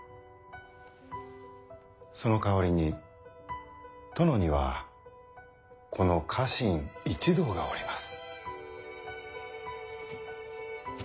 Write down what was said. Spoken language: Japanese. その代わりに殿にはこの家臣一同がおります。